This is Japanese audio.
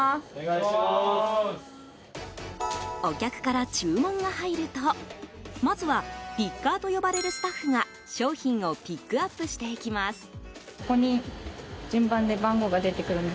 お客から注文が入るとまずはピッカーと呼ばれるスタッフが商品をピックアップしていきます。